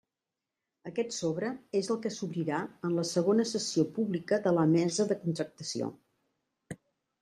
Aquest sobre és el que s'obrirà en la segona sessió pública de la Mesa de Contractació.